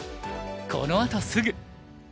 このあとすぐ！